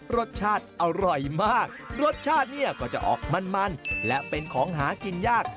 รสชาติอร่อยมากรสชาติเนี่ยก็จะออกมันมันและเป็นของหากินยาก